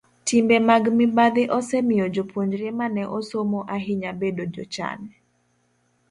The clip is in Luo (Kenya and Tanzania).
Timbe mag mibadhi osemiyo jopuonjre ma ne osomo ahinya bedo jochan.